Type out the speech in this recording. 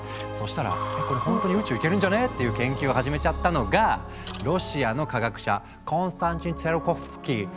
そしたら「えこれほんとに宇宙行けるんじゃね？」っていう研究を始めちゃったのがロシアの科学者コンスタンチン・ツィオルコフスキー。